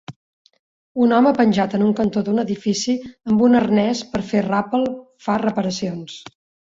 Un home penjat en un cantó d'un edifici amb un arnès per fer ràpel fa reparacions.